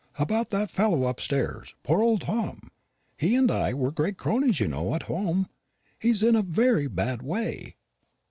"About that fellow upstairs poor old Tom. He and I were great cronies, you know, at home. He's in a very bad way."